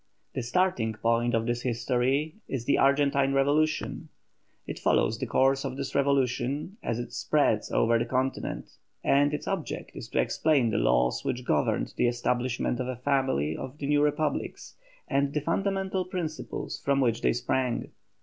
The starting point of this history is the Argentine revolution; it follows the course of this revolution as it spreads over the continent, and its object is to explain the laws which governed the establishment of a family of new Republics, and the fundamental principles from which they sprang.